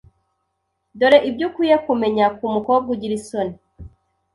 Dore ibyo ukwiye kumenya ku mukobwa ugira isoni.